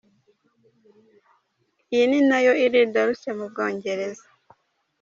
Iyi nayo iri i Dorset mu Bwongereza.